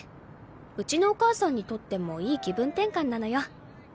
うちのお母さんにとってもいい気分転換なのよ。